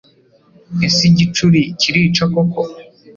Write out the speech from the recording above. Ese igicuri kirica koko